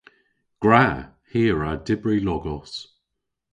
Gwra. Hi a wra dybri logos.